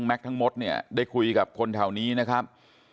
ทั้งหมดเนี่ยได้คุยกับคนแถวนี้นะครับ